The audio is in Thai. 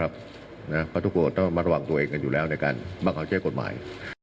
แล้วถูกต้องมาระหว่างตัวเองกันอยู่แล้วในการบังเกาะแชทกฎหมาย